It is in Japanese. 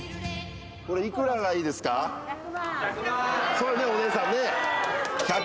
そうよねお姉さんね。